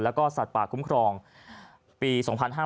แล้วก็สัตว์ป่าคุ้มครองปี๒๕๕๙